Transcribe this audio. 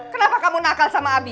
kenapa kamu nakal sama abi